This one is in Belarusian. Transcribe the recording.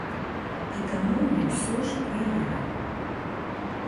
І таму мы ўсё ж прайгралі.